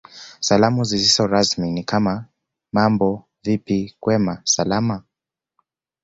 Salamu zisizo rasmi ni kama Mambo vipi kwema Salama